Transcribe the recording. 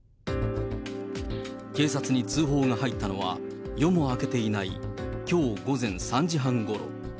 警察に通報が入ったのは、夜も明けていないきょう午前３時半ごろ。